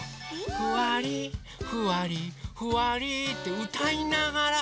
「ふわりふわりふわり」ってうたいながらふいてるんだって。